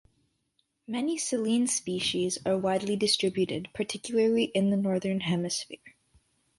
Many "Silene" species are widely distributed, particularly in the northern hemisphere.